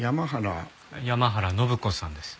山原展子さんです。